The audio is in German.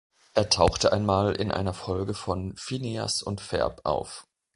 Er tauchte einmal in einer Folge von „Phineas und Ferb“ auf.